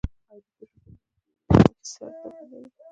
آیا د تشو بولو رنګ په اوړي او ژمي کې سره توپیر لري؟